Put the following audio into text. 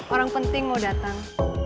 orang penting mau datang